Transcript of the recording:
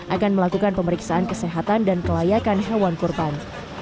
akan melakukan pemeriksaan kesehatan dan kelayakan hewan kurban